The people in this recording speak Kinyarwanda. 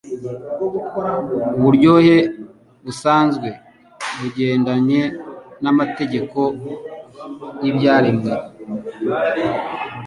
uburyohe busanzwe bugendanye n’amategeko y’ibyaremwe.